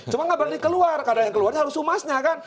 cuma nggak berani keluar karena yang keluar harus humasnya kan